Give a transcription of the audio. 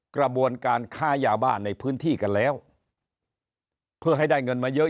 กระบวนการค้ายาบ้านในพื้นที่กันแล้วเพื่อให้ได้เงินมาเยอะ